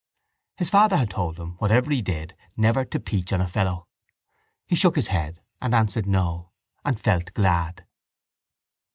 His father had told him, whatever he did, never to peach on a fellow. He shook his head and answered no and felt glad.